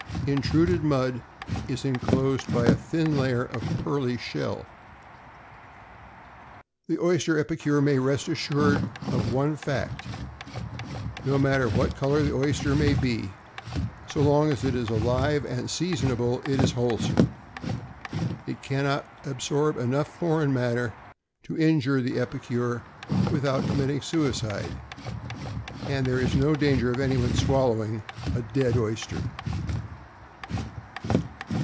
Intruded mud is enclosed by a thin layer of pearly shell. The oyster epicure may rest assured of one fact. No matter what the color of an oyster may be, so long as it is alive and seasonable it is wholesome. It cannot absorb enough foreign matter to injure the epicure without committing suicide, and there is no possible danger of any one swallowing a dead oyster.